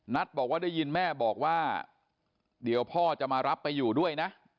บอกว่าได้ยินแม่บอกว่าเดี๋ยวพ่อจะมารับไปอยู่ด้วยนะ